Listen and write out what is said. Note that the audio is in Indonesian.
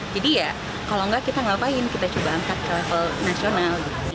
jadi ya kalau nggak kita ngapain kita coba angkat ke level nasional